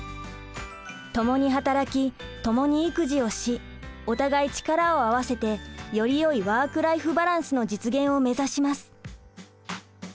ともに働きともに育児をしお互い力を合わせてよりよいワーク・ライフ・バランスの実現を目指します。